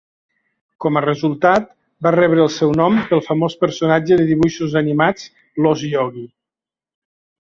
Com a resultat, va rebre el seu nom pel famós personatge de dibuixos animats l'ós Yogi.